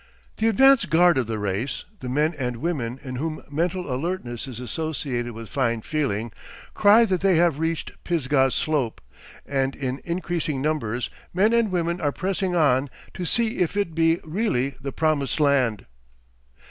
The advance guard of the race, the men and women in whom mental alertness is associated with fine feeling, cry that they have reached Pisgah's slope and in increasing numbers men and women are pressing on to see if it be really the Promised Land."